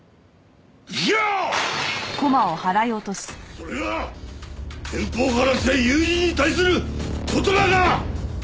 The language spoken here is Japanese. それが遠方から来た友人に対する言葉か！